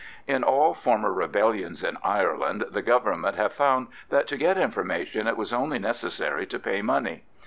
In all former rebellions in Ireland the Government have found that to get information it was only necessary to pay money.